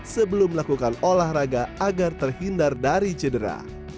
sebelum melakukan olahraga agar terhindar dari cedera